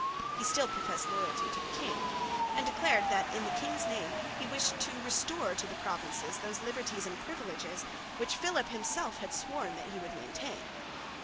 He still professed loyalty to the king and declared that in the king's name he wished to restore to the provinces those liberties and privileges which Philip himself had sworn that he would maintain.